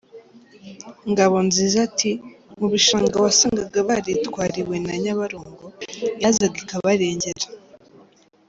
Ngabonziza ati: “mu bishanga wasangaga baritwariwe na Nyabarongo yazaga ikabarengera”.